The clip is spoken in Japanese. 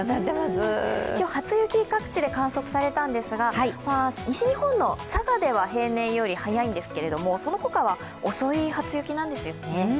今日、初雪、各地で観測されたんですが、西日本の佐賀では平年より早いんですけれども、そのほかは遅い初雪なんですよね。